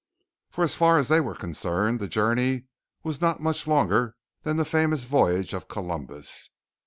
For as far as they were concerned the journey was not much longer than the famous voyage of Columbus.